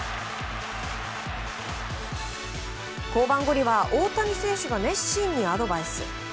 降板後には大谷選手が熱心にアドバイス。